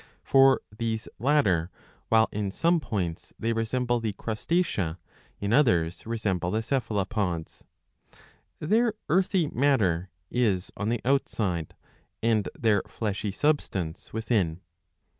For these latter, while in some points they resemble the Crustacea, in others resemble the Cephalopods. Their earthy matter is on the outside, and their fleshy substance within.